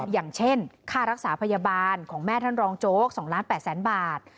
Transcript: อย่างเช่นค่ารักษาพยาบาลของแม่ท่านรองโจ๊ก๒ล้าน๘แสนบาท